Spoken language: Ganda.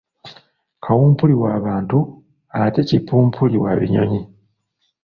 Kawumpuli wa bantu ate Kipumpuli wa binyonyi.